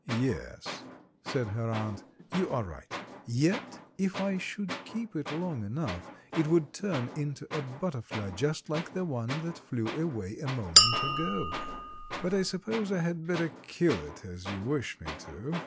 "Yes," said her aunt, "you are right, yet if I should keep it long enough it would turn into a butterfly just like the one that flew away a moment ago; but I suppose I had better kill it as you wish me to."